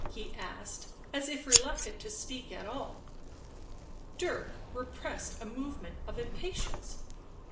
he asked, as if reluctant to speak at all. Dirk repressed a movement of impatience.